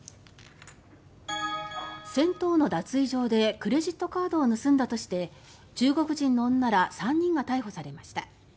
銭湯の脱衣場でクレジットカードを盗んだとして中国人の女ら３人が逮捕されました。